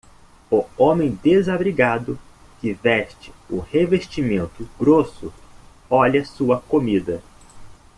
O homem desabrigado que veste o revestimento grosso olha sua comida.